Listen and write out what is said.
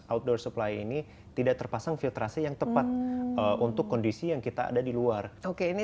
outdoor supply ini tidak terpasang filtrasi yang tepat untuk kondisi yang kita ada di luar oke ini